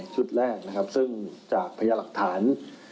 ชุดแรกนะครับซึ่งจากพยาหลักฐาน